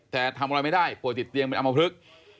แต่ทำอะไรไม่ได้ป่วยติดเตียงเป็นอำมพลึก